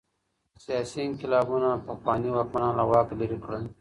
سياسي انقلابونو پخواني واکمنان له واکه ليري کړل.